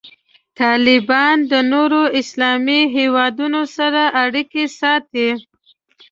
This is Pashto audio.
طالبان د نورو اسلامي هیوادونو سره اړیکې ساتي.